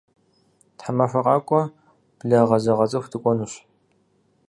Тхьэмахуэ къакӏуэ благъэзэгъэцӏыху дыкӏуэнущ.